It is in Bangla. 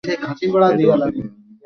এটা হতে পারে না।